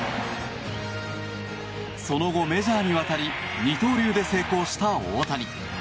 その後、メジャーに渡り二刀流で成功した大谷。